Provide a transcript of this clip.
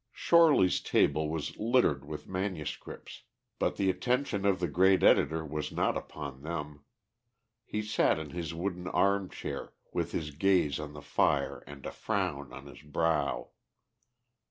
Shorely's table was littered with manuscripts, but the attention of the great editor was not upon them. He sat in his wooden armchair, with his gaze on the fire and a frown on his brow.